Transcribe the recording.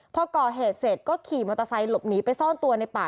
พอก่อเหตุเสร็จก็ขี่มอเตอร์ไซค์หลบหนีไปซ่อนตัวในป่า